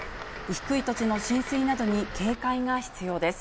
低い土地の浸水などに警戒が必要です。